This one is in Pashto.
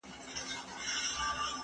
مينه د مور له خوا ښکاره کيږي!؟